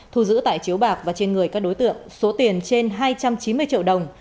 thu giữ tại chiếu bạc và trên người các đối tượng số tiền trên hai trăm chín mươi triệu đồng